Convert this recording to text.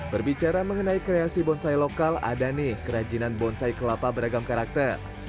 berbicara mengenai kreasi bonsai lokal ada nih kerajinan bonsai kelapa beragam karakter